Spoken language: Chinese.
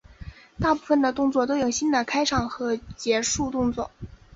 大部分的角色都有新的开场和结束动作。